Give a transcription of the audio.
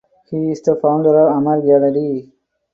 He is the founder of Amar Gallery.